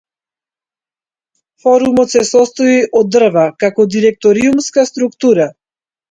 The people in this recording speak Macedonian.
Форумот се состои од дрво како директориумска структура.